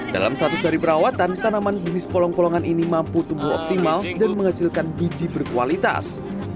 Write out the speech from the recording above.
dalam satu sehari perawatan tanaman jenis polong polongan ini mampu tumbuh optimal dan menghasilkan biji berkualitas